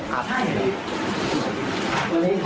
พี่ครับยิงยิงไปที่นั้นครับ